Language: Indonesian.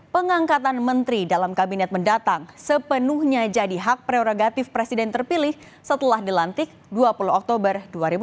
pengangkatan menteri dalam kabinet mendatang sepenuhnya jadi hak prerogatif presiden terpilih setelah dilantik dua puluh oktober dua ribu dua puluh